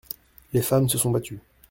Les femmes se sont battues.